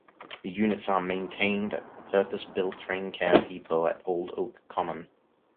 The units are maintained at the purpose-built train care depot at Old Oak Common.